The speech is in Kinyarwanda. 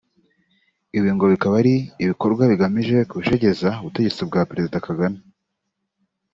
Ibi ngo bikaba ari ibikorwa bigamije kujegeza ubutegetsi bwa Perezida Kagame